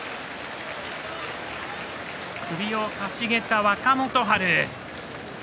首をかしげた若元春。